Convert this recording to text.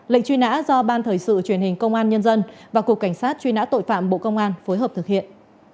lệnh truy nã do ban thời sự truyền hình công an nhân dân và cục cảnh sát truy nã tội phạm bộ công an phối hợp thực hiện